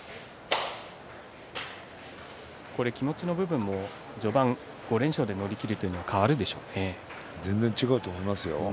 気持ちの部分も序盤５連勝で乗りきるというのは全然違うと思いますよ。